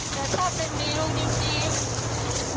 แต่ถ้าเป็นมีลูกจริง